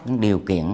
những điều kiện